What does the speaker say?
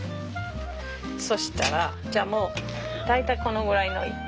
そしたらじゃあもう大体このぐらいの色。